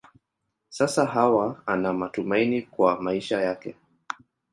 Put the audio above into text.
Sasa Hawa ana matumaini kwa maisha yake.